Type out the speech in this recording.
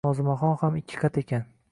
Nozimaxon ham ikkiqat ekan